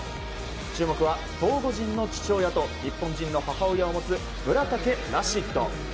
注目はトーゴ人の父親と日本人の母親を持つ村竹ラシッド。